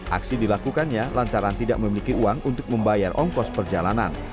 aksi dilakukannya lantaran tidak memiliki uang untuk membayar ongkos perjalanan